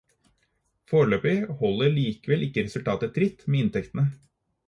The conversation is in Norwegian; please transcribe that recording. Foreløpig holder likevel ikke resultatet tritt med inntektene.